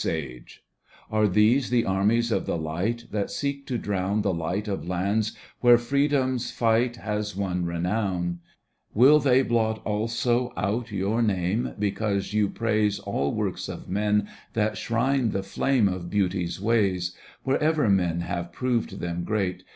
Sage ? Are these the armies of the Light That seek to drown The light of lands where freedom's fight Has won renown ? Digitized by Google TO GOETHE a Will they blot also out your name Because you praise All works of men that shrine the flame Of beauty's wasrs. Wherever men have proved them great.